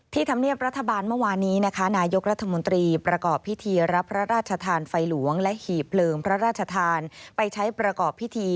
ธรรมเนียบรัฐบาลเมื่อวานนี้นะคะนายกรัฐมนตรีประกอบพิธีรับพระราชทานไฟหลวงและหีบเพลิงพระราชทานไปใช้ประกอบพิธี